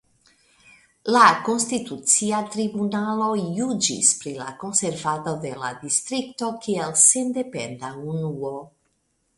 La Konstitucia Tribunalo juĝis pri la konservado de la distrikto kiel sendependa unuo.